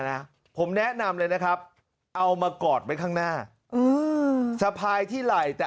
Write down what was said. นะผมแนะนำเลยนะครับเอามากอดไว้ข้างหน้าสะพายที่ไหล่แต่